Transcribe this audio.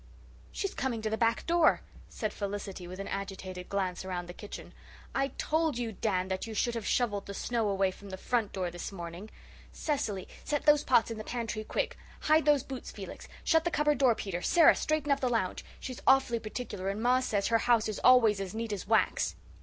"She's coming to the back door," said Felicity, with an agitated glance around the kitchen. "I told you, Dan, that you should have shovelled the snow away from the front door this morning. Cecily, set those pots in the pantry quick hide those boots, Felix shut the cupboard door, Peter Sara, straighten up the lounge. She's awfully particular and ma says her house is always as neat as wax."